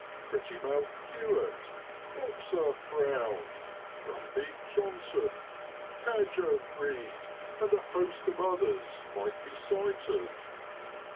' Prettymouth ' Hewitt, i Boxer' Brown, ' Grumpy ' Johnson, l Cadger' Read, and a host of others might be cited.